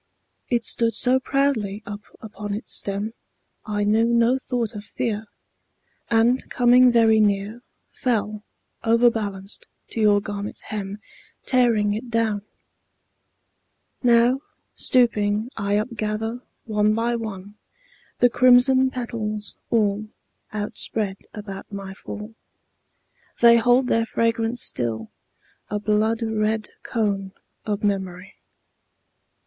It stood so proudly up upon its stem, I knew no thought of fear, And coming very near Fell, overbalanced, to your garment's hem, Tearing it down. Now, stooping, I upgather, one by one, The crimson petals, all Outspread about my fall. They hold their fragrance still, a blood red cone Of memory.